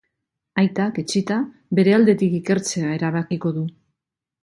Aitak, etsita, bere aldetik ikertzea erabakiko du.